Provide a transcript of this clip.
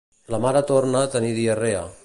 La mare torna a tenir diarrea